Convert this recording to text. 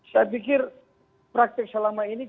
saya pikir praktik selama ini